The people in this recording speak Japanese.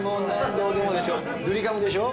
ドリカムでしょ。